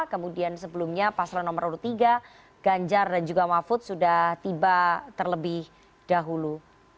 kemudian sebelumnya paslon nomor tiga ganjar dan juga mahfud sudah tiba terlebih dahulu